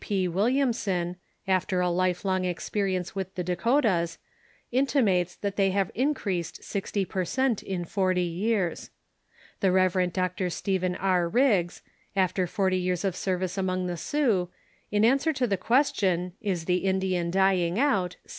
P. Williamson, after a life long experience Avith the Dakotas, intimates that they have increased sixty per cent, in forty years. The Rev. Dr. Stephen R. Riggs, after forty years of service among the Sioux, in ansAver to the .question, "Is the Indian dying out?"